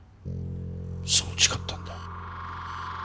そう誓ったんだ。